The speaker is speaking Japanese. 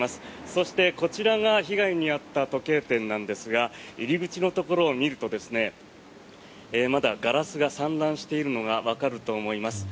そして、こちらが被害に遭った時計店なんですが入り口のところを見るとまだガラスが散乱しているのがわかると思います。